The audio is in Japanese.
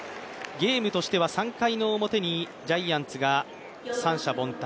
ゲームとしては３回の表にジャイアンツが三者凡退。